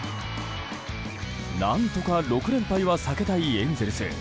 何とか６連敗は避けたいエンゼルス。